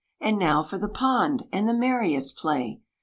And now for the pond and the merriest play!